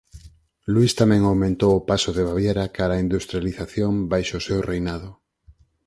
Luís tamén aumentou o paso de Baviera cara á industrialización baixo o seu reinado.